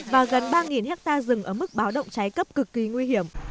và gần ba hectare rừng ở mức báo động cháy cấp cực kỳ nguy hiểm